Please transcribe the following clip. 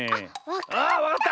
あっわかった！